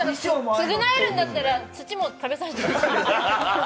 償えるんだったら、土も食べさせてください。